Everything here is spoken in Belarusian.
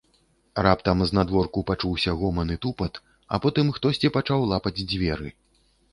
Раптам знадворку пачуўся гоман і тупат, а потым хтосьці пачаў лапаць дзверы.